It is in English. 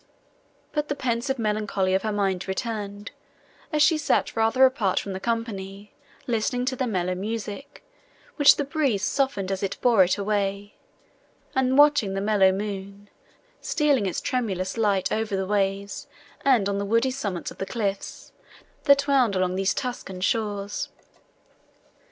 But the pensive melancholy of her mind returned, as she sat rather apart from the company, listening to the mellow music, which the breeze softened as it bore it away, and watching the moon, stealing its tremulous light over the waves and on the woody summits of the cliffs, that wound along these Tuscan shores.